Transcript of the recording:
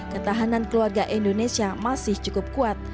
ketahanan keluarga indonesia masih cukup kuat